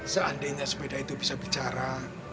seandainya sepeda itu bisa bicara